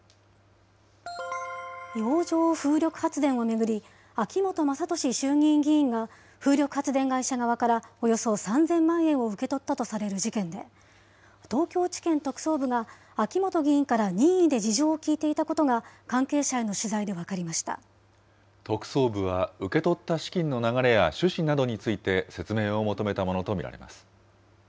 洋上風力発電を巡り、秋本真利衆議院議員が、風力発電会社側から、およそ３０００万円を受け取ったとされる事件で、東京地検特捜部が秋本議員から任意で事情を聴いていたことが、関特捜部は、受け取った資金の流れや趣旨などについて説明を求めたものと見ら